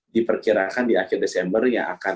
diperkirakan di akhir desember yang akan